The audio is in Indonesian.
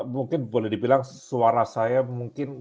mungkin boleh dibilang suara saya mungkin